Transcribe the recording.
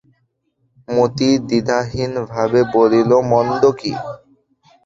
মতি দ্বিধাভাবে বলিল, মন্দ কী?